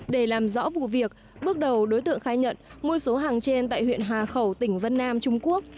để làm rõ vụ việc bước đầu đối tượng khai nhận mua số hàng trên tại huyện hà khẩu tỉnh vân nam trung quốc